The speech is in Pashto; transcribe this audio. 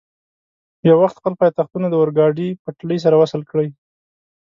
یو وخت خپل پایتختونه د اورګاډي پټلۍ سره وصل کړي.